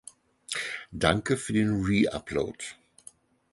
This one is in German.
Danke für den Re-Upload!